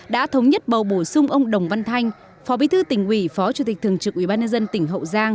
đã thống nhất bầu bổ sung ông đồng văn thanh phó bí thư tỉnh ủy phó chủ tịch thường trực ủy ban nhân dân tỉnh hậu giang